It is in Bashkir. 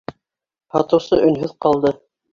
Һатыусы өнһөҙ ҡалды.